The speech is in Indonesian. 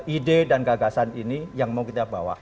ide dan gagasan ini yang mau kita bawa